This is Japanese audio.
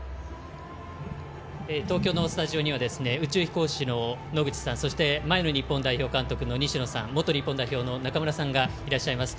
東京のスタジオには宇宙飛行士の野口さんそして前の日本代表監督の西野さん元日本代表の中村さんがいらっしゃいます。